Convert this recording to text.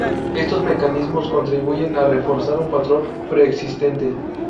Estos mecanismos contribuyen a reforzar un patrón preexistente.